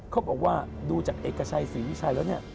เขาบอกว่าดูจากเอกชัยศรีวิชัยแล้วเนี่ย